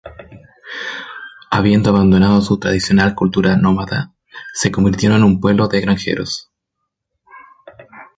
Habiendo abandonado su tradicional cultura nómada, se convirtieron en un pueblo de granjeros.